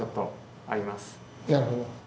なるほど。